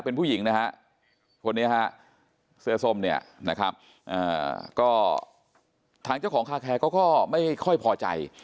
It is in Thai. เป็นผู้หญิงนะฮะคนนี้ฮะเสื้อส้มเนี่ยนะครับก็ทางเจ้าของคาแคร์เขาก็ไม่ค่อยพอใจ